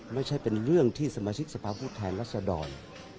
ไม่ใช่เป็นเรื่องที่สมาชิกสภาพผู้แทนรัศดร